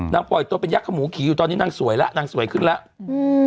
ปล่อยตัวเป็นยักษ์ขมูขี่อยู่ตอนนี้นางสวยแล้วนางสวยขึ้นแล้วอืม